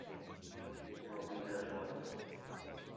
She will be here shortly.